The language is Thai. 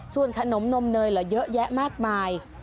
ส่วนขนมนมเนยเหรอเยอะแยะมากมาย